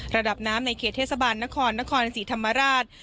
ระดับน้ำในเขตเทศบาลนครนครศรีธรรมราช